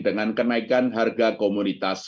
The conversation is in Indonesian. dengan kenaikan harga komoditas